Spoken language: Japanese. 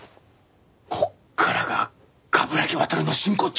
ここからが冠城亘の真骨頂！